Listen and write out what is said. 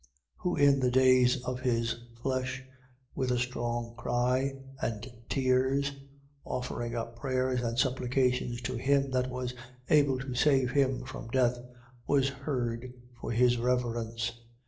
Who in the days of his flesh, with a strong cry and tears, offering up prayers and supplications to him that was able to save him from death, was heard for his reverence.